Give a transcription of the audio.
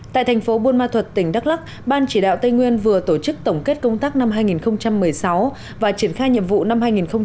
tại thành phố buôn ma thuật tỉnh đắk lắc ban chỉ đạo tây nguyên vừa tổ chức tổng kết công tác năm hai nghìn một mươi sáu và triển khai nhiệm vụ năm hai nghìn một mươi chín